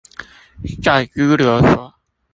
在拘留所